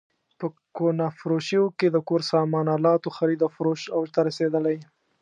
په کهنه فروشیو کې د کور سامان الاتو خرید او فروش اوج ته رسېدلی.